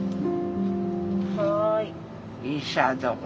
はい。